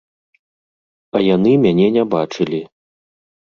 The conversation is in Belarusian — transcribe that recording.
А яны мяне не бачылі.